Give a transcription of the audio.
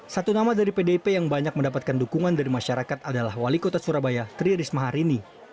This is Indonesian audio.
satu nama dari pdip yang banyak mendapatkan dukungan dari masyarakat adalah wali kota surabaya tri risma hari ini